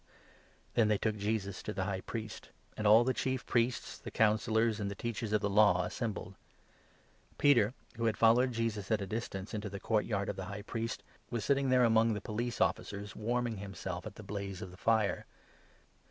Then they took Jesus to the High Priest ; and 53 befor'e'the all the Chief Priests, the Councillors, and the High Priest. Teachers of the Law assembled. Peter, who had 54 followed Jesus at a distance into the court yard of the High Priest, was sitting there among the police officers, warming himself at the blaze of the fire.